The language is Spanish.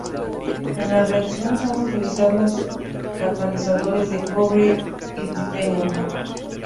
En la reacción son utilizados catalizadores de cobre y rutenio.